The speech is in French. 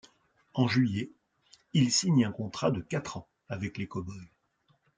En juillet, il signe un contrat de quatre ans avec les Cowboys.